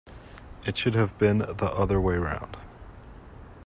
It should have been the other way round.